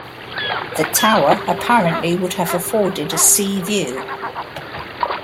The tower apparently would have afforded a sea view.